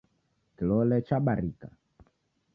Kilole chabarika